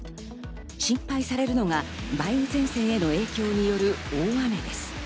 心配されるのが梅雨前線への影響による大雨です。